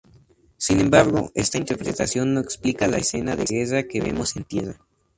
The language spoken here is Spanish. Sin embargo esta interpretación no explica la escena de guerra que vemos en tierra.